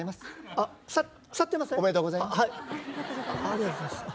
ありがとうございます。